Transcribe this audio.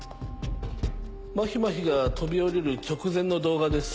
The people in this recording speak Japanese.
まひまひが飛び降りる直前の動画です。